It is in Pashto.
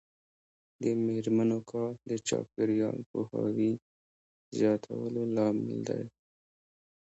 د میرمنو کار د چاپیریال پوهاوي زیاتولو لامل دی.